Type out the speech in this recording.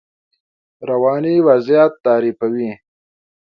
رواني وضعیت تعریفوي.